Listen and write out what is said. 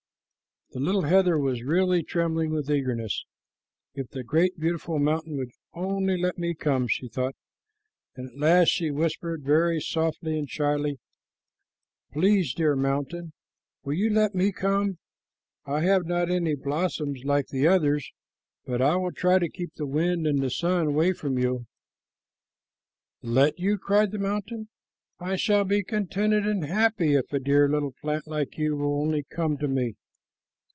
The little heather was really trembling with eagerness. "If the great, beautiful mountain would only let me come!" she thought, and at last she whispered very softly and shyly, "Please, dear mountain, will you let me come? I have not any blossoms like the others, but I will try to keep the wind and the sun away from you." "Let you?" cried the mountain. "I shall be contented and happy if a dear little plant like you will only come to me."